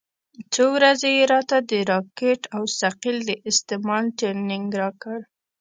څو ورځې يې راته د راکټ او ثقيل د استعمال ټرېننگ راکړ.